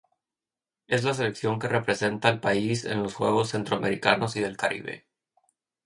Es la selección que representa al país en los Juegos Centroamericanos y del Caribe.